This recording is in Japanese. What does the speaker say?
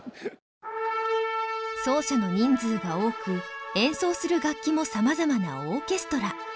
奏者の人数が多く演奏する楽器もさまざまなオーケストラ。